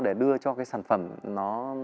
để đưa cho cái sản phẩm nó